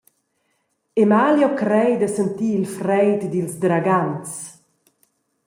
Emalio crei da sentir il freid dils dragants.